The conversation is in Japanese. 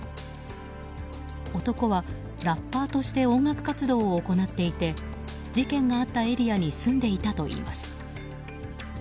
男はラッパーとして音楽活動を行っていて事件があったエリアに住んでいたといいます。